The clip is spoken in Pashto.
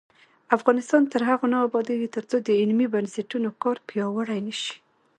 افغانستان تر هغو نه ابادیږي، ترڅو د علمي بنسټونو کار پیاوړی نشي.